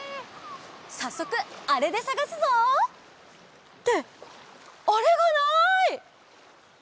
さっそくあれでさがすぞ！ってあれがない！